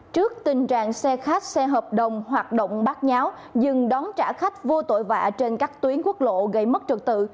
trước tình trạng xe khách xe hợp đồng hoạt động bắt nháo dừng đón trả khách vô tội vạ trên các tuyến quốc lộ gây mất trực tự